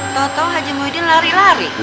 toh toh haji muhyiddin lari lari